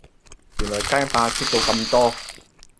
原來街霸出到咁多